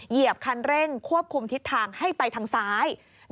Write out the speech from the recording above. เหยียบคันเร่งควบคุมทิศทางให้ไปทางซ้าย